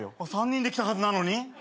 ３人で来たはずなのに？